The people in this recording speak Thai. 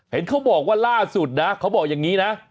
เห็นเขาบอกว่าล่าสุดนะเขาบอกอย่างนี้นะ